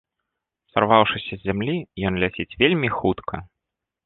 Сарваўшыся з зямлі, ён ляціць вельмі хутка.